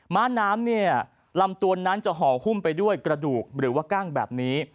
ม้าน้ำเนี่ยลำตัวนั้นจะห่อหุ้มไปด้วยกระดูกหรือว่ากล้างแบบนี้